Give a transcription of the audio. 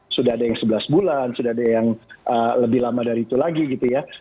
sudah ada yang sebelas bulan sudah ada yang lebih lama dari itu lagi gitu ya